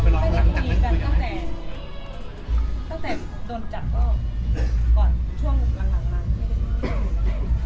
ตั้งแต่บินจับก่อนช่วงหลังหลัง